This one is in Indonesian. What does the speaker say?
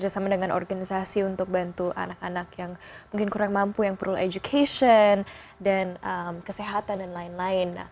sama dengan organisasi untuk bantu anak anak yang mungkin kurang mampu yang perlu education dan kesehatan dan lain lain